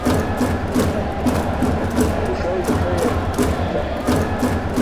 Buṣay buṣaye ćaq ke tʰum.